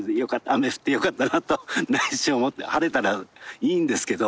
雨降ってよかったなと内心思って晴れたらいいんですけど。